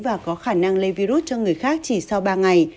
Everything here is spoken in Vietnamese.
và có khả năng lây virus cho người khác chỉ sau ba ngày